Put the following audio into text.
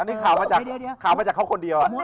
อันนี้ข่าวมาจากเขาคนเดียว